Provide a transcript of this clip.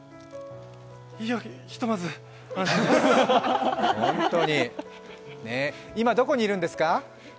いや、ひとまず今、どこにいるんですか？